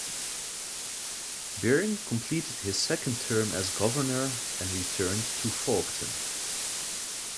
Byrne completed his second term as governor and returned to Faulkton.